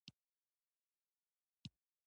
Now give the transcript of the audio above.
راکټ د توغونې وخت محاسبه غواړي